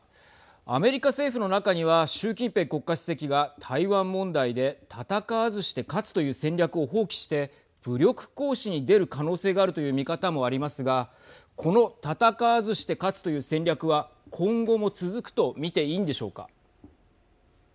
アメリカ政府の中には習近平国家主席が台湾問題で戦わずして勝つという戦略を放棄して武力行使に出る可能性があるという見方もありますがこの戦わずして勝つという戦略は今後も続くと見ていいんでしょうか。